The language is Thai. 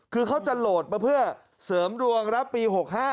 คือเขาจะโหลดมาเพื่อเสริมดวงรับปี๖๕